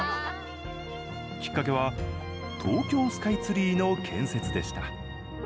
きっかけは東京スカイツリーの建設でした。